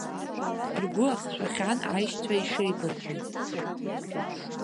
Ргәы ахшәахьан аишьцәа ишеибырҳәоз.